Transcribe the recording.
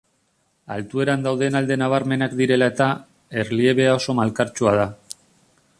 Altueran dauden alde nabarmenak direla eta, erliebea oso malkartsua da.